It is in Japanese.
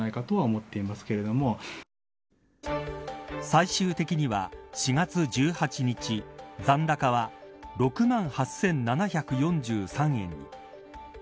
最終的には４月１８日残高は６万８７４３円。